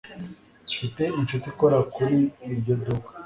Mfite inshuti ikora kuri iryo duka